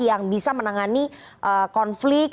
yang bisa menangani konflik